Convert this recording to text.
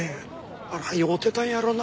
あれは酔うてたんやろうな。